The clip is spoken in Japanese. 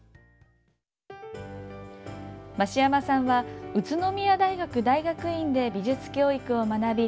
増山さんは宇都宮大学大学院で美術教育を学び